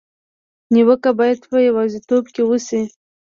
نیوکه باید په یوازېتوب کې وشي.